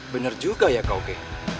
bener juga ya kauke